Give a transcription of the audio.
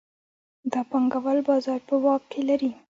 دا پانګوال بازار په واک کې لري